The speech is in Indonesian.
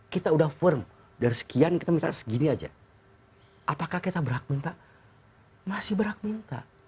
kita udah firm dari sekian kita minta segini aja apakah kita berhak minta masih berhak minta